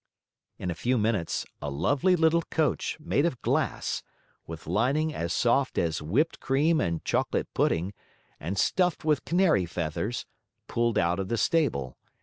In a few minutes, a lovely little coach, made of glass, with lining as soft as whipped cream and chocolate pudding, and stuffed with canary feathers, pulled out of the stable.